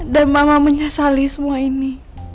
dan mama menyesali semua ini